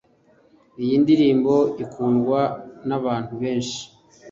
iyi ndirimbo ikundwa nabantu benshi